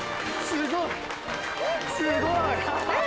すごい！え！